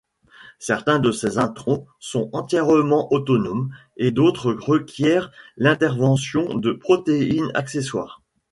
Certains de ces introns sont entièrement autonomes et d'autres requièrent l'intervention de protéines accessoires.